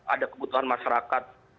ada kebutuhan masyarakat